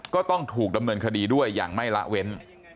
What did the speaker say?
ก็ต้องถูกดำเนินคดีด้วยอย่างไม่ละเว้น